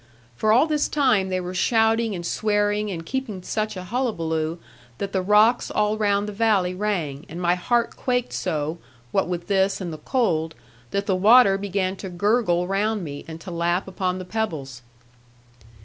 For all this time they were shouting and swearing, and keeping such a hullabaloo, that the rocks all round the valley rang, and my heart quaked, so (what with this and the cold) that the water began to gurgle round me, and to lap upon the pebbles.